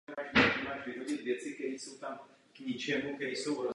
Je součástí fotografie architektury a tvorbou takových obrazů se zabývá fotograf specialista.